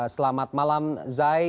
selamat malam zai